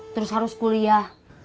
terus harus kuliah